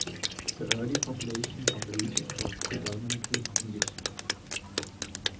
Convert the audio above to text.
The early population of the region was predominantly English.